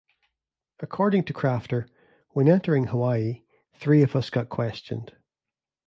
According to Crafter, when entering Hawaii, Three of us got questioned.